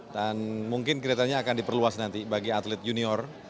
dan mungkin kreatorinya akan diperluas nanti bagi atlet junior